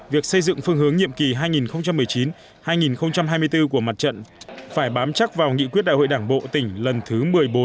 việc xây dựng phương hướng nhiệm kỳ hai nghìn một mươi chín hai nghìn hai mươi bốn của mặt trận phải bám chắc vào nghị quyết đại hội đảng bộ tỉnh lần thứ một mươi bốn